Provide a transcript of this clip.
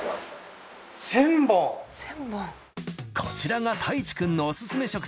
こちらが太一くんのオススメ